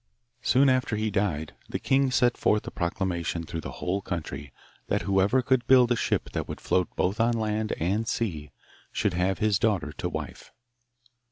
Soon after he died the king set forth a proclamation through the whole country that whoever could build a ship that should float both on land and sea should have his daughter to wife.